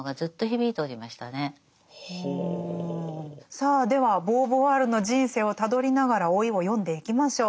さあではボーヴォワールの人生をたどりながら「老い」を読んでいきましょう。